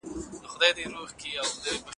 زرمينه